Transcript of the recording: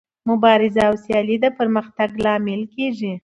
مبارزه او سیالي د پرمختګ لامل کیږي.